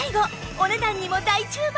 お値段にも大注目！